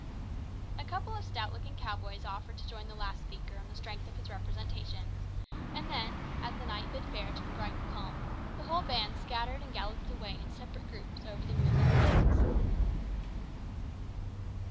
A couple of stout looking cow boys offered to join the last speaker on the strength of his representations, and then, as the night bid fair to be bright and calm, the whole band scattered and galloped away in separate groups over the moonlit plains.